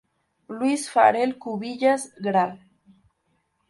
Luis Farell Cubillas, Gral.